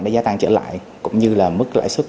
đã gia tăng trở lại cũng như là mức lãi xuất